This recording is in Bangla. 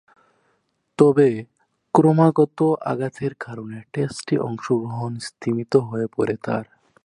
তবে, ক্রমাগত আঘাতের কারণে টেস্টে অংশগ্রহণ স্তিমিত হয়ে পড়ে তার।